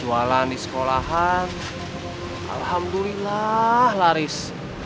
jualan di sekolahan alhamdulillah laris